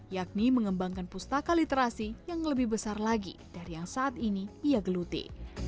yang lebih besar lagi dari yang saat ini ia geluti